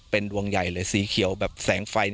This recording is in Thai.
เป็นดวงใหญ่เลยสีเขียวแบบแสงไฟ